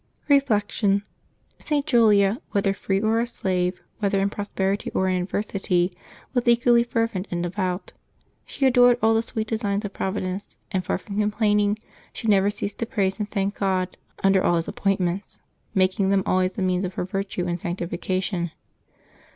Reflection. — St. Julia, whether free or a slave, whether in prosperity or in adversity, was equally fervent and de vout. She adored all the sweet designs of Providence ; and far from complaining, she never ceased to praise and thank God under all His holy appointments, making them always the means of her virtue and sanctification.